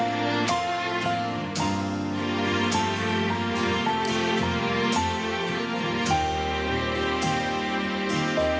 กรุ่นของทุกวัน